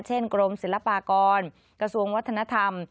กรมศิลปากรกระทรวงวัฒนธรรม